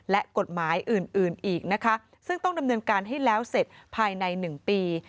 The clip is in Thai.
และกฎหมายอื่นอีกนะคะซึ่งต้องดำเนินการให้แล้วเสร็จภายใน๑ปี